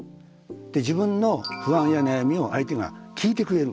で自分の不安や悩みを相手が聞いてくれる。